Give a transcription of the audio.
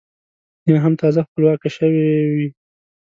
یا هم تازه خپلواکه شوې وي.